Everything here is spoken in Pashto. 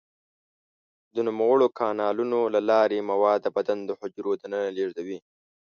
د نوموړو کانالونو له لارې مواد د بدن د حجرو دننه لیږدوي.